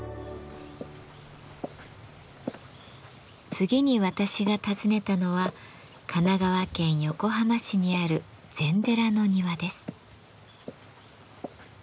次に私が訪ねたのは神奈川県横浜市にある禅寺の庭です。